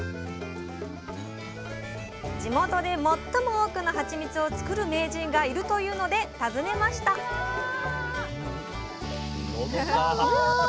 地元で最も多くのハチミツを作る名人がいるというので訪ねましたどうも！